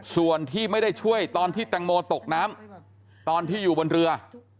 ส่วนที่ไม่ได้ช่วยตอนที่แตงโมตกน้ำตอนที่อยู่บนเรือ